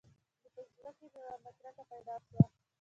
نو په زړه کښې مې ورنه کرکه پيدا سوه.